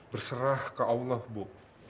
berserah ke allah bu